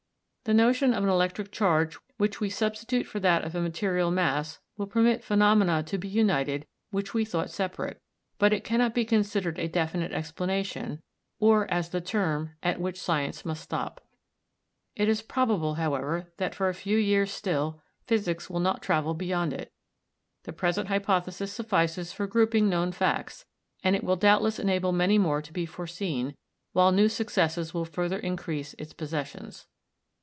The notion of an electric charge which we substitute for that of a material mass will permit phenomena to be united which we thought separate, but it cannot be considered a definite explanation, or as the term at which science must stop. It is probable, however, that for a few years still physics will not travel beyond it. The present hypothesis suffices for grouping known facts, and it will doubtless enable many more to be foreseen, while new successes will further increase its possessions.